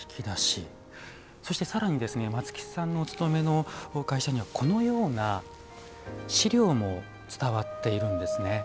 そして、さらに松木さんがお勤めの会社にはこのような資料も伝わっているんですね。